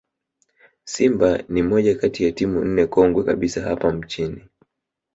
Simba ni moja kati ya timu nne kongwe kabisa hapa nchini